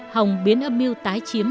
hồng biến âm mưu tái chiếm